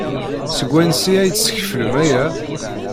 Seg wansi ay d-teskeflem aya?